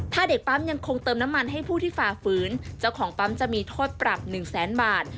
ถ้าเด็กปั๊มยังคงเติมน้ำมันให้ผู้ที่ฝ่าฝืนเจ้าของปั๊มจะมีโทษปรับหนึ่งแสนบาท